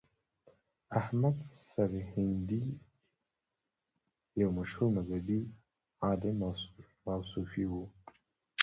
احمد سرهندي یو مشهور مذهبي عالم او صوفي و.